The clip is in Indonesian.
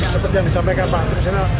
seperti yang disampaikan pak presiden